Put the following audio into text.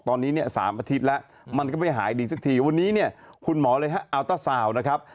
ตอนนี้๓อาทิตย์แล้วมันก็ไม่หายอีกสักทีวันนี้คุณหมออัลต้าซาวด์นะครับ